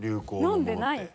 飲んでない。